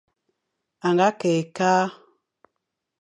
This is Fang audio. A nga kakh-e-kakh.